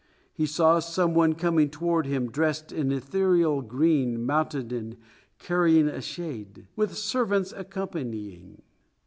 He saw some one coming toward him dressed in ethereal green, mounted and carrying a shade, with servants accompanying.